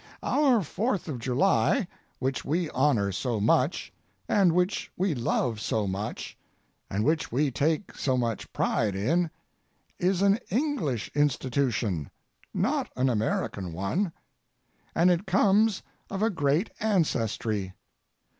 Our Fourth of July which we honor so much, and which we love so much, and which we take so much pride in, is an English institution, not an American one, and it comes of a great ancestry.